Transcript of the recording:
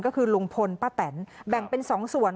ก็คือลุงพลป้าแตนแบ่งเป็น๒ส่วน